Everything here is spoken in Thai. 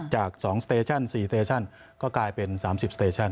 จากสองสเตชั่นสี่สเตชั่นก็กลายเป็นสามสิบสเตชั่น